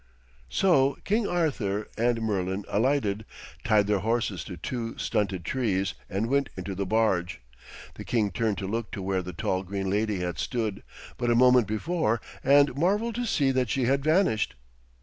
So King Arthur and Merlin alighted, tied their horses to two stunted trees, and went into the barge. The king turned to look to where the tall green lady had stood but a moment before, and marvelled to see that she had vanished.